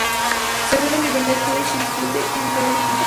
Se rueda en Riverdale Collegiate Institute en Toronto, Ontario.